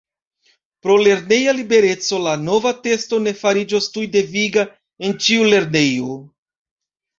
Pro lerneja libereco la nova testo ne fariĝos tuj deviga en ĉiu lernejo.